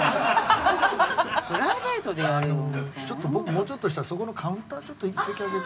もうちょっとしたらそこのカウンター１席空けて。